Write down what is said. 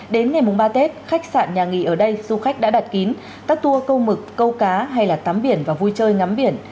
đến ngày mùng ba tết khách sạn nhà nghỉ ở đây du khách đã đặt kín các tour câu mực câu cá hay là tắm biển và vui chơi ngắm biển